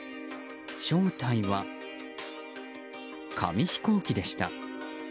正体は、紙飛行機でした。